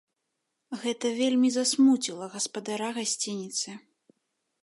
Гэта вельмі засмуціла гаспадара гасцініцы.